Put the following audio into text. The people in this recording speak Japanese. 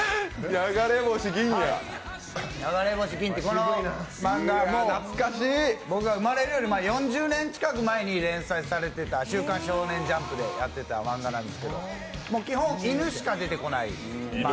「流れ星銀」って僕が生まれるより前４０年近く前に連載されてた「週刊少年ジャンプ」でやってた漫画なんですけど基本、犬しか出てこない。